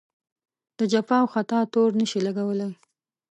د جفا او خطا تور نه شي لګولای.